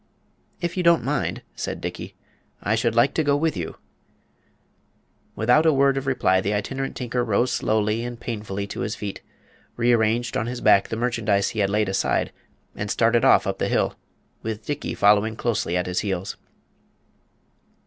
"If you don't mind," said Dickey, "I should like to go with you." Without a word of reply the Itinerant Tinker rose slowly and painfully to his feet, rearranged on his back the merchandise he had laid aside, and started off up the hill, with Dickey following closely at his heels.